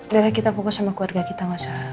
dan kita fokus sama keluarga kita gak usah